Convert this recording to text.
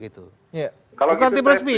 bukan tim resmi